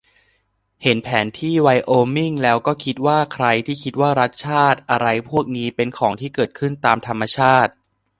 เห็นแผนที่ไวโอมิงแล้วก็คิดว่า ใครที่คิดว่ารัฐชาติอะไรพวกนี้เป็นของที่เกิดขึ้นตามธรรมชาติ